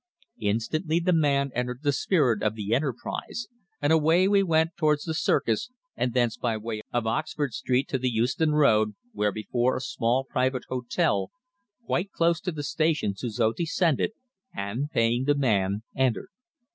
Instantly the man entered into the spirit of the enterprise, and away we went towards the Circus, and thence by way of Oxford Street to the Euston Road, where before a small private hotel quite close to the station Suzor descended, and, paying the man, entered.